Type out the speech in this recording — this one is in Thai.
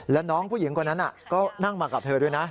แล้วน้องผู้หญิงคนนั้นก็นั่งมากับเธอด้วยนะ